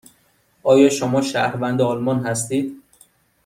آیا شما شهروند آلمان هستید؟